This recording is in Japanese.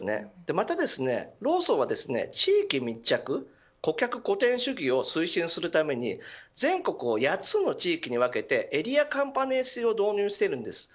また、ローソンは地域密着個客・個店主義を推進するために全国を８つの地域に分けてエリアカンパニー制を導入しています。